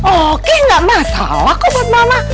oke gak masalah kok buat mama